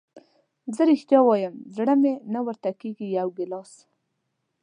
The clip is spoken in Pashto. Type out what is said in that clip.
زه رښتیا وایم زړه مې نه ورته کېږي، یو ګیلاس.